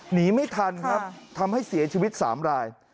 หนีไม่ทันครับทำให้เสียชีวิต๓ราย